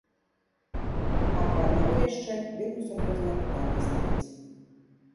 А пра аднаго яшчэ вельмі сур'ёзнае пытанне стаіць.